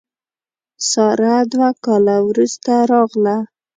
ساره دوه کاله وروسته راغله.